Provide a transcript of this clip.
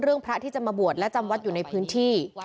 พระที่จะมาบวชและจำวัดอยู่ในพื้นที่